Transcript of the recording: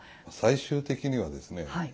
最終的にはですね